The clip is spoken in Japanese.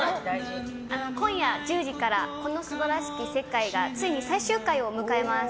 今夜１０時から「この素晴らしき世界」がついに最終回を迎えます。